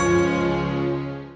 lo gantinya dikendalikan